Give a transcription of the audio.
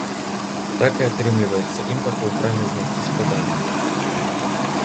Так і атрымліваецца, імпарту ў краме знайсці складана.